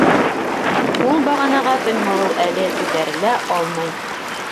Ул бағанаға Көнһылыу әле күтәрелә алмай.